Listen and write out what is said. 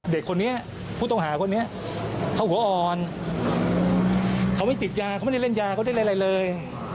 เด็กคนนี้ผู้ต้องหาคนนี้เขาหัวอ่อนเขาไม่ติดยาเขาไม่ได้เล่นยาเขาเล่นอะไรเลย